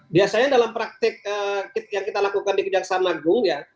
biasanya dalam praktik yang kita lakukan di kejaksaan agung ya